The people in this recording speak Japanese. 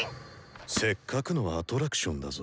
せっかくのアトラクションだぞ。